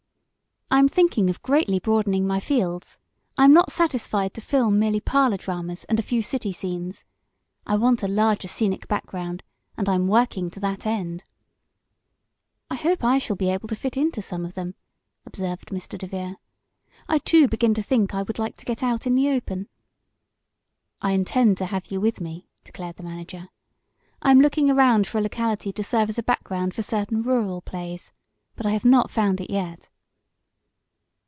"I am thinking of greatly broadening my fields, I am not satisfied to film merely parlor dramas and a few city scenes. I want a larger scenic background, and I'm working to that end." "I hope I shall be able to fit into some of them," observed Mr. DeVere. "I, too, begin to think I would like to get out in the open." "I intend to have you with me," declared the manager. "I am looking around for a locality to serve as a background for certain rural plays. But I have not found it yet."